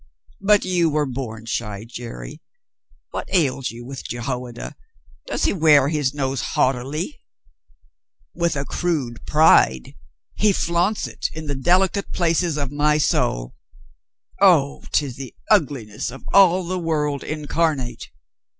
"But you were born shy, Jerry. What ails you with Jehoiada? Does he wear his nose haughtily ?" "With a crude pride. He flaunts it in the delicate places of my soul. Oh, 'tis the ugliness of all the world incarnate.